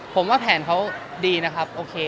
ผมว่าแผนเขาดีนะครับโอเค